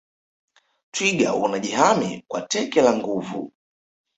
twiga wanajihami kwa teke la nguvu